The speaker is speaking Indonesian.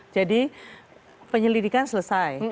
jadi penyelidikan selesai